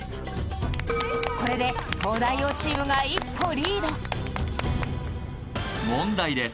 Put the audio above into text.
これで東大王チームが一歩リード問題です